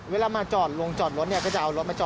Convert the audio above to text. เวลามาจอดลงจะเอารถมาจอด